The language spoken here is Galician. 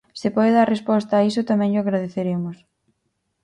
Se pode dar resposta a iso tamén llo agradeceremos.